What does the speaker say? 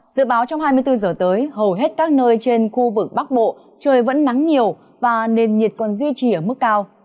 dự báo trong hai mươi bốn giờ tới hầu hết các nơi trên khu vực bắc bộ trời vẫn nắng nhiều và nền nhiệt còn duy trì ở mức cao